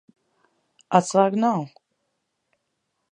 Atslēgu nav.